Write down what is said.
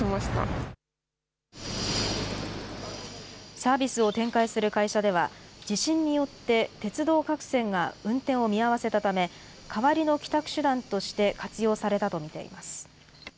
サービスを展開する会社では、地震によって鉄道各線が運転を見合わせたため、代わりの帰宅手段として活用されたと見ています。